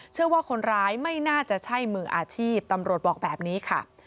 เชื่อว่าคนร้ายไม่น่าจะใช่มืออาชีพตำรวจบอกแบบนี้ค่ะ